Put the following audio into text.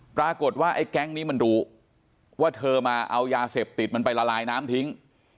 ปรากฏว่าไอ้แก๊งนี้มันรู้ว่าเธอมาเอายาเสพติดมันไปละลายน้ำทิ้ง